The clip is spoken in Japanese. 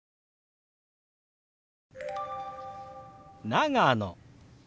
「長野」。